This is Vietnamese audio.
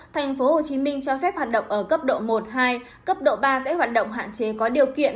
tp hcm cho phép hoạt động ở cấp độ một hai cấp độ ba sẽ hoạt động hạn chế có điều kiện